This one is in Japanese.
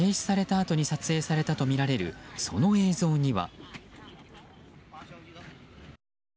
あとに撮影されたとみられるその映像には。